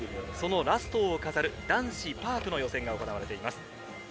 ラストを飾る男子パークの予選が行われています。